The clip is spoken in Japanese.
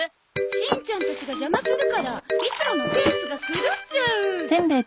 しんちゃんたちが邪魔するからいつものペースが狂っちゃう！